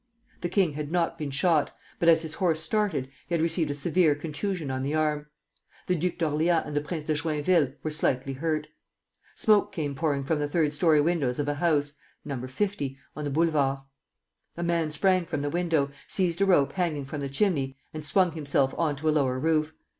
The king had not been shot, but as his horse started, he had received a severe contusion on the arm. The Duke of Orleans and the Prince de Joinville were slightly hurt. Smoke came pouring from the third story windows of a house (No. 50) on the Boulevard. A man sprang from the window, seized a rope hanging from the chimney, and swung himself on to a lower roof.